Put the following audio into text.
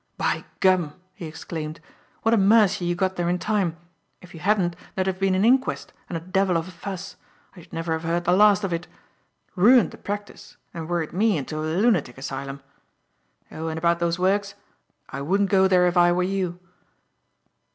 "By Gum!" he exclaimed, "what a mercy you got there in time. If you hadn't there'd have been an inquest and a devil of a fuss. I should never have heard the last of it. Ruined the practice and worried me into a lunatic asylum. Oh, and about those works. I wouldn't go there if I were you."